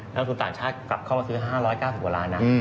นักผู้ต่างชาติหลับเข้ามาซื้อ๕๙๐กว่าร้อน